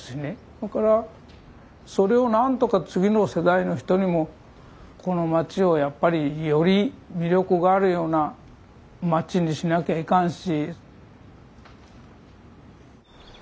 それからそれを何とか次の世代の人にもこの町をやっぱりより魅力があるような町にしなきゃいかんし。